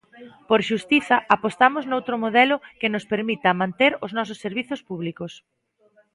Por xustiza, apostamos noutro modelo que nos permita manter os nosos servizos públicos.